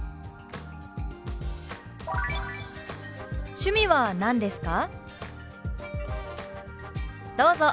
「趣味は何ですか？」。